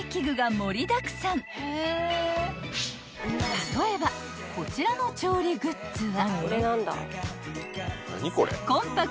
［例えばこちらの調理グッズは］